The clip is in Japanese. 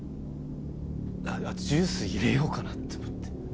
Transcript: あジュース入れようかなって思って。